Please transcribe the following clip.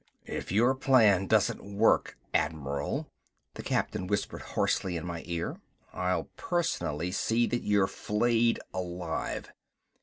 "If your plan doesn't work, admiral," the captain whispered hoarsely in my ear, "I'll personally see that you're flayed alive!"